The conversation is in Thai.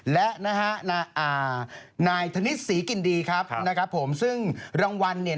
และนายธนิสรีกินดีครับซึ่งรางวัล